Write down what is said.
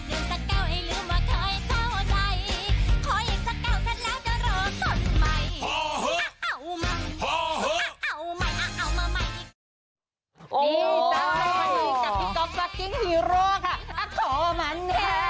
อย่าลืมว่าเคยเข้าใจ